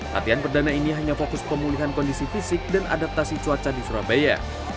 latihan perdana ini hanya fokus pemulihan kondisi fisik dan adaptasi cuaca di surabaya